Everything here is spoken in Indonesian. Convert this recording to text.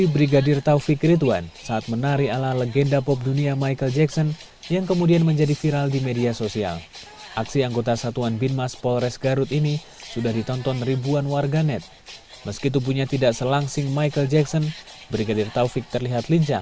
berita terkini mengenai pembahasan berita terkini